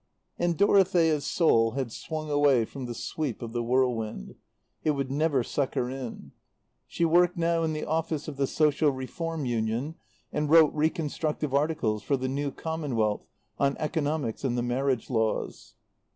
And Dorothea's soul had swung away from the sweep of the whirlwind. It would never suck her in. She worked now in the office of the Social Reform Union, and wrote reconstructive articles for The New Commonwealth on Economics and the Marriage Laws.